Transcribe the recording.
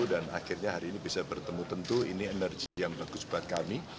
dan akhirnya hari ini bisa bertemu tentu ini energi yang bagus buat kami